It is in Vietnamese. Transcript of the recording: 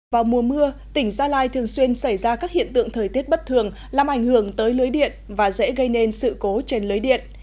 vào mùa mưa tỉnh gia lai thường xuyên xảy ra các hiện tượng thời tiết bất thường làm ảnh hưởng tới lưới điện và dễ gây nên sự cố trên lưới điện